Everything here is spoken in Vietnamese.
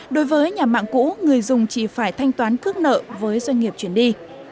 đối với nhà mạng cũ người dùng chỉ phải thanh toán cước nợ với doanh nghiệp chuyển đi